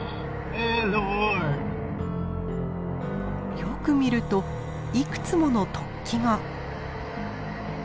よく見るといくつもの突起が。